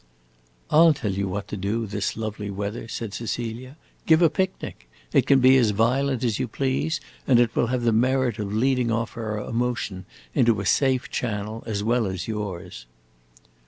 "I 'll tell you what to do, this lovely weather," said Cecilia. "Give a picnic. It can be as violent as you please, and it will have the merit of leading off our emotion into a safe channel, as well as yours."